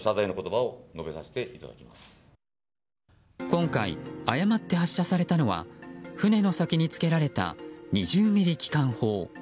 今回誤って発射されたのは船の先につけられた２０ｍｍ機関砲。